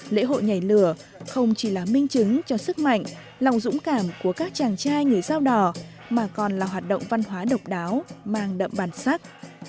lễ hội nhảy lửa không chỉ là minh chứng cho sức mạnh lòng dũng cảm của các chàng trai người dao đỏ mà còn là hoạt động văn hóa độc đáo mang đậm bản sắc